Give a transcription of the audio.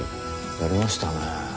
やりましたね。